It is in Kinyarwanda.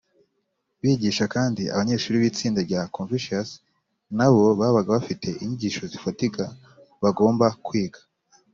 bigisha kandi abanyeshuri b’itsinda rya confucius na bo babaga bafite inyigisho zifatika bagomba kwiga